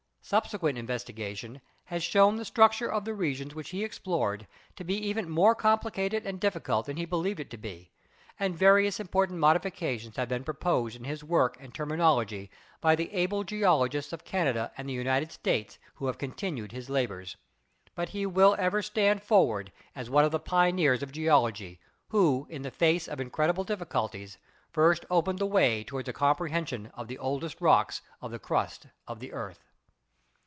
Subsequent investigation has shown the structure of the regions which he explored to be even more complicated and difficult than he believed it to be, and various important modifications have been proposed in his work and terminology by the able geologists of Canada and the United States who have continued his labors. But he will ever stand forward as one of the pioneers of Geology, who in the face of incred ible difficulties first opened the way toward a comprehen sion of the oldest rocks of the crust of the earth.